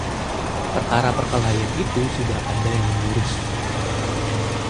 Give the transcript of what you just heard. perkara perkelahian itu sudah ada yang mengurus